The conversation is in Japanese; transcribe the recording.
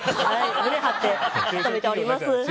胸張って勤めております。